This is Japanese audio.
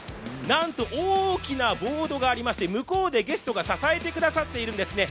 なんと大きなボードがありまして向こうでゲストが支えてくださってますね。